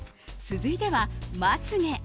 続いては、まつ毛。